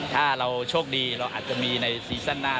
ถ้าเราโชคดีเราอาจจะมีในซีซั่นหน้า